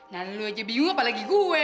nah lu aja bingung apalagi gue